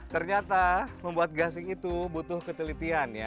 ternyata membuat gasing itu butuh ketelitian ya